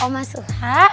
oh mas suha